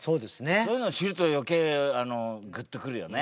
そういうのを知ると余計グッとくるよね。